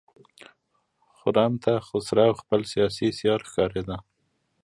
خرم ته خسرو خپل سیاسي سیال ښکارېده.